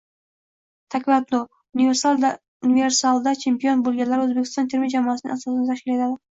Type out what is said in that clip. Taekvondo: “Universal”da chempion bo‘lganlar O‘zbekiston terma jamoasining asosini tashkil etading